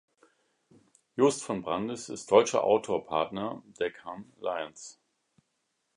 Jost von Brandis ist Deutscher Outdoor-Partner der Cannes Lions.